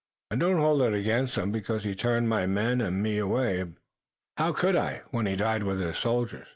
I don't hold it against him, because he turned my men and me away. How could I when he died with his soldiers?"